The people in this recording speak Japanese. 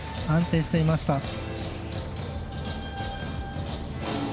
安定していました。